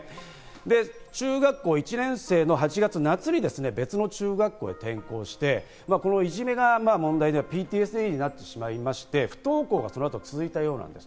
中学校１年生の８月、夏に別の中学校に転校して、いじめが問題でＰＴＳＤになってしまって、不登校が続いたようです。